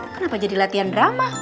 kenapa jadi latihan drama